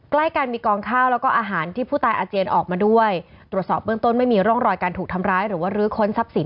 ใกล้กันมีกองข้าวแล้วก็อาหารที่ผู้ตายอาเจียนออกมาด้วยตรวจสอบเบื้องต้นไม่มีร่องรอยการถูกทำร้ายหรือว่ารื้อค้นทรัพย์สิน